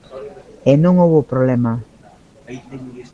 E non houbo problema.